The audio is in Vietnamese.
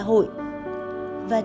và chúng đều